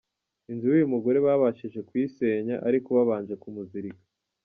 Inzu y’uyu mugore babashije kuyisenya ari uko babanje kumuzirika.